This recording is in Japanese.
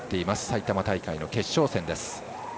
埼玉大会の決勝戦です。